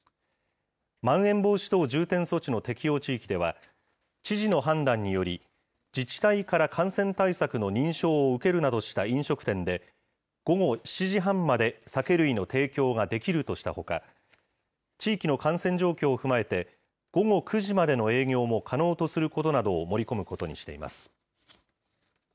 まん延防止等重点措置の適用地域では、知事の判断により、自治体から感染対策の認証を受けるなどした飲食店で、午後７時半まで酒類の提供ができるとしたほか、地域の感染状況を踏まえて、午後９時までの営業も可能とすることなどを盛り込むことにしています。